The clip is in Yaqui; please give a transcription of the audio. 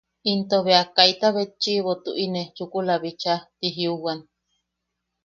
Into bea “kaita betchi’ibo tu’ine chukula bichaa”. Ti jiuwan.